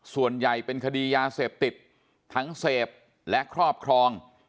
ส่วนใหญ่เป็นคดียาเสพติดทั้งเสพและครอบครอง